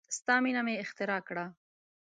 ستا مینه مې اختراع کړه